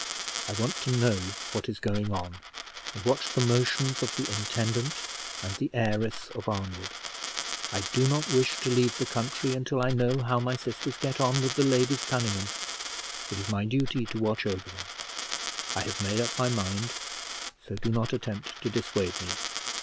I want to know what is going on, and watch the motions of the intendant and the heiress of Arnwood. I also do not wish to leave the country until I know how my sisters get on with the Ladies Conynghame: it is my duty to watch over them. I have made up my mind, so do not attempt to dissuade me."